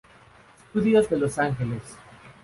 Studios de Los Ángeles.